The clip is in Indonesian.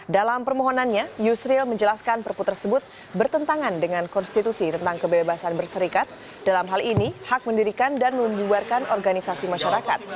dalam permohonannya yusril menjelaskan perpu tersebut bertentangan dengan konstitusi tentang kebebasan berserikat dalam hal ini hak mendirikan dan membubarkan organisasi masyarakat